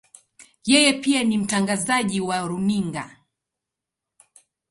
Yeye pia ni mtangazaji wa runinga.